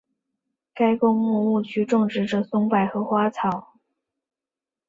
该公墓墓区种植着松柏和花草。